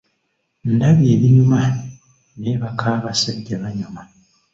Ndabye ebinyuma, naye baka basajja banyuma.